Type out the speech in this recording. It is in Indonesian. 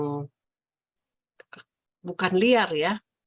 yang bukan liar ya